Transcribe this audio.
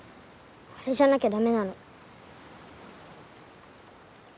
あれじゃなきゃ駄目なの。